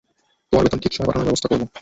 তোমার বেতন ঠিক সময় পাঠানোর ব্যবস্থা করব।